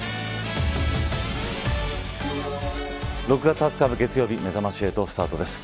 ６月２０日の月曜日めざまし８スタートです。